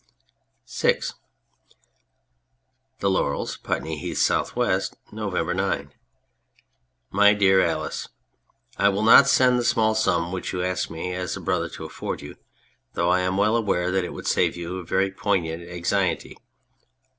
VI The Laurels, Putney Heath, S. W. November 9. MY DEAR ALICE, I will not send the small sum which you ask me as a brother to afford you, though I am well aware that it would save you very poignant anxiety.